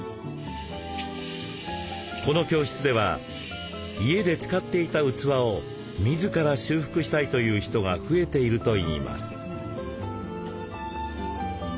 この教室では家で使っていた器を自ら修復したいという人が増えているといいます。